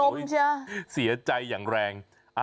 โอ้โฮเสียใจหยั่งแรง